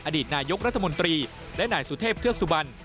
อดีตนายกรัฐมนตรีและนายสุเทพเทือกสุบัน